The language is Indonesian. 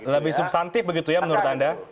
lebih substantif begitu ya menurut anda